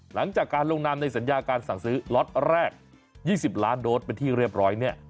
หลังจากการลงนามในสัญญาการสั่งซื้อล็อตแรก๒๐ล้านโดสเป็นที่เรียบร้อยเนี่ย